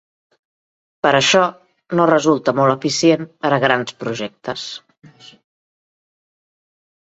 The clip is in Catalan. Per això, no resulta molt eficient per a grans projectes.